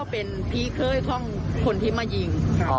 เขาเป็นพี่เค้ยคนที่มายิง